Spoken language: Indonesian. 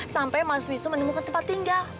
sampai mas wisnu menemukan tempat tinggal